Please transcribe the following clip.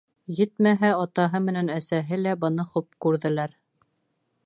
Етмәһә, атаһы менән әсәһе лә быны хуп күрҙеләр.